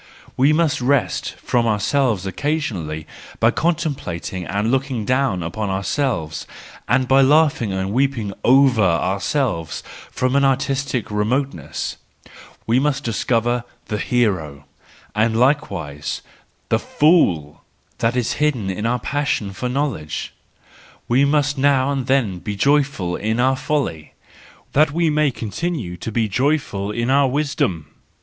We must rest from ourselves occasionally by contemplating and looking down upon ourselves, and by laughing or weeping over ourselves from an artistic remote¬ ness : we must discover the hero> and likewise the fool , that is hidden in our passion for knowledge; we must now and then be joyful in our folly, that we may continue to be joyful in our wisdom!